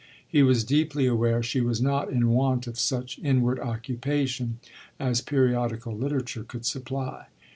He was deeply aware she was not in want of such inward occupation as periodical literature could supply.